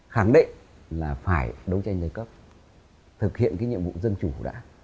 khẳng định là phải đấu tranh được cấp thực hiện cái nhiệm vụ dân chủ đã